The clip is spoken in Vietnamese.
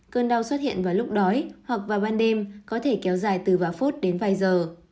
cơn đau xuất hiện vào lúc đói hoặc vào ban đêm có thể kéo dài từ vài phút đến vài giờ